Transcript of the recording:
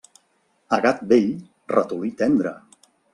A gat vell, ratolí tendre.